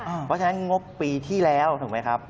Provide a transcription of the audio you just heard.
เพราะฉะนั้นงบปีที่แล้วถูกไหมครับ